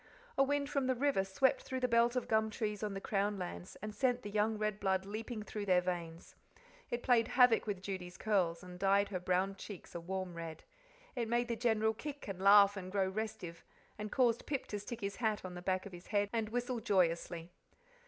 A wind from the river swept through the belt of gum trees on the Crown lands, and sent the young red blood leaping through their veins; it played havoc with Judy's curls, and dyed her brown cheeks a warm red; it made the General kick and laugh and grow restive, and caused Pip to stick his hat on the back of his head and whistle joyously.